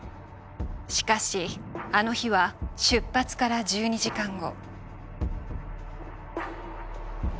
しかしあの日は出発から１２時間後。